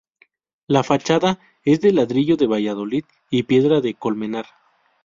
La fachada es de ladrillo de Valladolid y piedra de Colmenar.